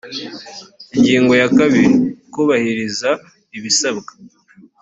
ingingo ya kabiri kubahiriza ibisabwa